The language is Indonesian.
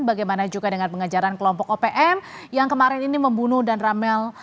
bagaimana juga dengan pengejaran kelompok opm yang kemarin ini membunuh dan ramel